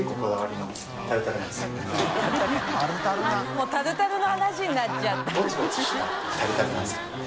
發タルタルの話になっちゃった。